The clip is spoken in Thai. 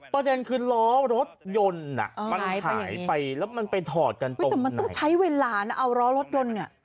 ประเด็นคือล้อรถยนต์อ่ะมันหายไปแล้วมันไปถอดกันไปแต่มันต้องใช้เวลานะเอาล้อรถยนต์เนี่ย